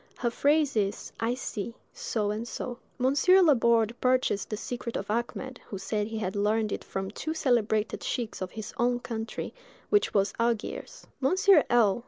Her phrase is: "I see" so and so. Monsieur Laborde purchased the secret of Achmed, who said he had learned it from two celebrated scheicks of his own country, which was Algiers. Monsieur L.